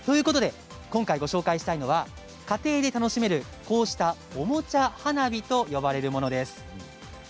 今回ご紹介したいのは家庭で楽しめるおもちゃ花火と呼ばれるものです。